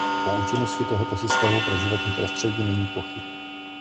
O účinnosti tohoto systému pro životní prostředí není pochyb.